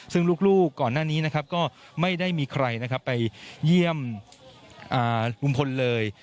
ซึ่งลูกก่อนหน้านี้ก็ไม่ได้มีใครไปเยี่ยมลุมพลเลย